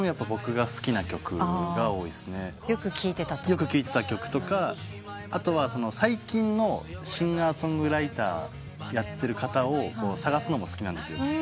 よく聴いてた曲とか後は最近のシンガー・ソングライターやってる方を探すのも好きなんですよ。